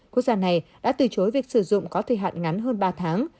quốc gia này đã từ chối việc sử dụng có thời hạn ngắn hơn ba tháng